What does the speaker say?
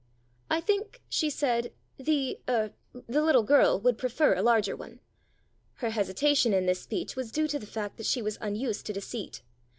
"I think," she said, "the er the little girl would prefer a larger one." Her hesitation in this speech was due to the fact that she was unused to deceit.